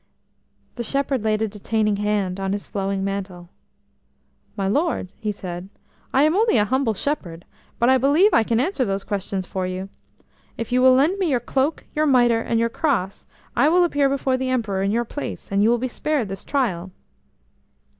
The shepherd laid a detaining hand on his flowing mantle. "My lord," he said, "I am only a humble shepherd, but I believe I can answer those questions for you. If you will lend me your cloak, your mitre, and your cross, I will appear before the Emperor in your place, and you will be spared this trial."